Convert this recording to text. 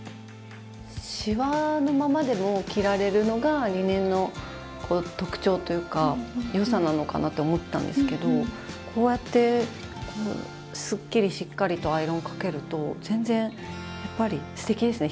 シワのままでも着られるのがリネンのこう特長というか良さなのかなって思ったんですけどこうやってスッキリしっかりとアイロンをかけると全然やっぱりすてきですね